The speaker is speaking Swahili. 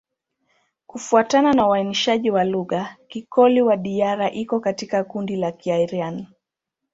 Kufuatana na uainishaji wa lugha, Kikoli-Wadiyara iko katika kundi la Kiaryan.